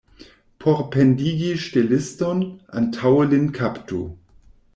Por pendigi ŝteliston, antaŭe lin kaptu.